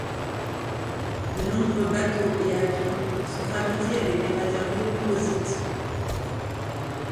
De nombreux bateaux et avions sont fabriqués avec des matériaux composites.